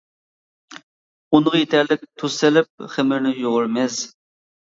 ئۇنغا يېتەرلىك تۇز سېلىپ، خېمىرنى يۇغۇرىمىز.